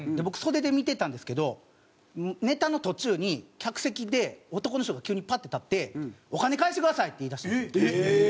僕袖で見てたんですけどネタの途中に客席で男の人が急にパッて立って「お金返してください」って言いだしたんですよ。